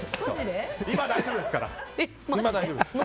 今、大丈夫ですから。